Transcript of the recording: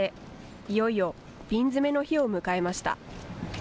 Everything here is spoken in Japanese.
いよいよ瓶詰の日を迎えました。